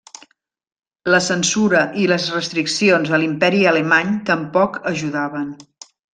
La censura i les restriccions de l'Imperi Alemany tampoc ajudaven.